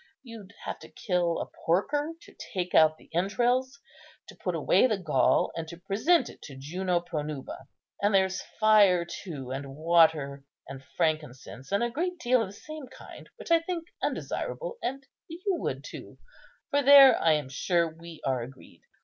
You'd have to kill a porker, to take out the entrails, to put away the gall, and to present it to Juno Pronuba. And there's fire, too, and water, and frankincense, and a great deal of the same kind, which I think undesirable, and you would too; for there, I am sure, we are agreed.